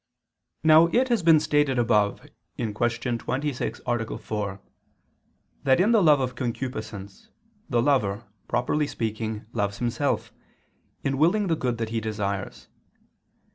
Now it has been stated above (Q. 26, A. 4), that in the love of concupiscence, the lover, properly speaking, loves himself, in willing the good that he desires.